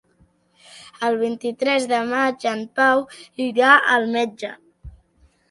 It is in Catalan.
El vint-i-tres de maig en Pau irà al metge.